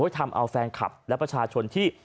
ทำเอาแฟนคลับและประชาชนที่